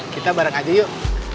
kita bareng aja yuk